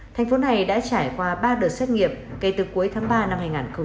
thành phố này đã trải qua ba đợt xét nghiệm kể từ cuối tháng ba năm hai nghìn hai mươi